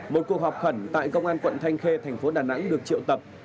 một cuộc họp khẩn tại công an quận thanh khê thành phố đà nẵng được triệu tập